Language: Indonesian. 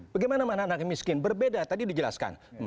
bagaimana anak anak miskin berbeda tadi dijelaskan